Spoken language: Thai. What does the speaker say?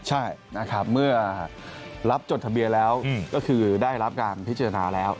ใช่นะครับเมื่อรับจดทะเบียนแล้วก็คือได้รับการพิจารณาแล้ว